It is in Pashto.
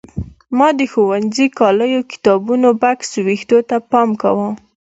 ما د ښوونځي کالیو کتابونو بکس وېښتو ته پام کاوه.